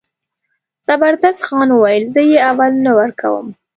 زبردست خان وویل زه یې اول نه ورکوم.